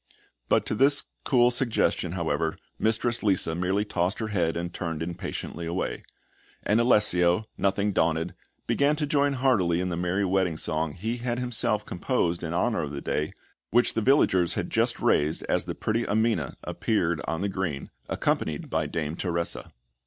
But to this cool suggestion, however, Mistress Lisa merely tossed her head, and turned impatiently away; and Alessio, nothing daunted, began to join heartily in the merry wedding song he had himself composed in honour of the day, which the villagers had just raised as the pretty Amina appeared on the green, accompanied by Dame Teresa.